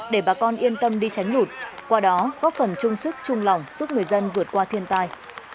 để bà con yên tâm đi tránh lụt qua đó góp phần chung sức chung lòng giúp người dân vượt qua thiên tai